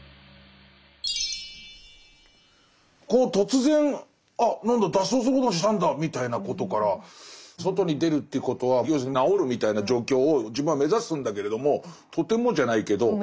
突然あなんだ脱走することにしたんだみたいなことから外に出るということは要するに「治る」みたいな状況を自分は目指すんだけれどもとてもじゃないけど。